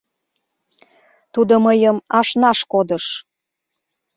Тудо мыйым ашнаш кодыш.